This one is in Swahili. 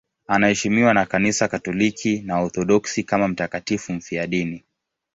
Anaheshimiwa na Kanisa Katoliki na Waorthodoksi kama mtakatifu mfiadini.